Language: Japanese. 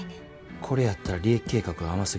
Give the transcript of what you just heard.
これやったら利益計画が甘すぎる。